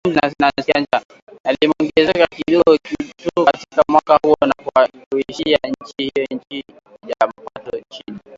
Na limeongezeka kidogo tu katika mwaka huo, na kuiacha nchi hiyo chini ya mapato ya chini.